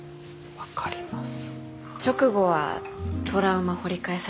分かります。